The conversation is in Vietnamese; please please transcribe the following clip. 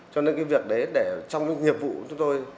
cho nên cái việc đấy để trong cái nhiệm vụ chúng tôi